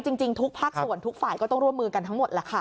จริงทุกภาคส่วนทุกฝ่ายก็ต้องร่วมมือกันทั้งหมดแหละค่ะ